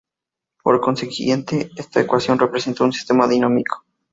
Por consiguiente esta ecuación representa un sistema dinámico.